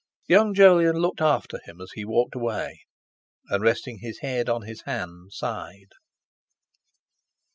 Young Jolyon looked after him as he walked away, and, resting his head on his hand, sighed.